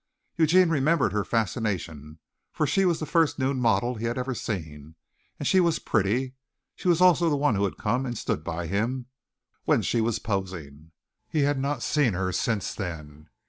Eugene remembered her fascination, for she was the first nude model he had ever seen and she was pretty. She was also the one who had come and stood by him when she was posing. He had not seen her since then.